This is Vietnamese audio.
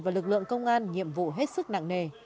và lực lượng công an nhiệm vụ hết sức nặng nề